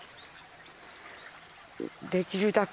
できるだけ。